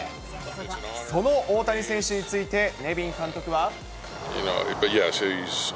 その大谷選手について、ネビン監督は。